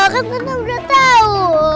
kan tante udah tau